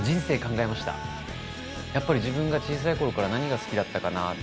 やっぱり自分が小さい頃から何が好きだったかな？